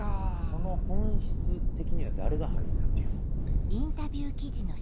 その本質的には誰が犯人だっていうの？